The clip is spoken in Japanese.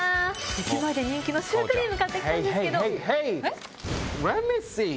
駅前で人気のシュークリーム買ってきたんです。